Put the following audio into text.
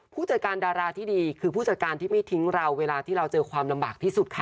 ผู้จัดการดาราที่ดีคือผู้จัดการที่ไม่ทิ้งเราเวลาที่เราเจอความลำบากที่สุดค่ะ